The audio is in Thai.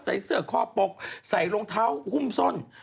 ใส่เสื้อคอปกใส่รองเท้าหุ้มส้น